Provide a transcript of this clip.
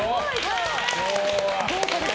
豪華です。